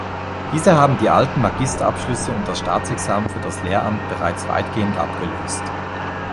Diese haben die alten Magister-Abschlüsse und das Staatsexamen für das Lehramt bereits weitgehend abgelöst.